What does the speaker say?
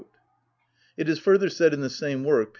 It is further said in the same work, p.